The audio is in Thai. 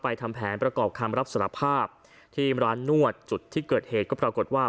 ทำแผนประกอบคำรับสารภาพที่ร้านนวดจุดที่เกิดเหตุก็ปรากฏว่า